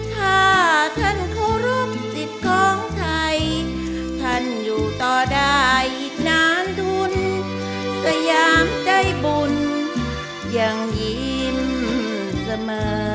ถ้าท่านเคารพสิทธิ์ของไทยท่านอยู่ต่อได้อีกนานทุนก็ยามได้บุญยังยิ้มเสมอ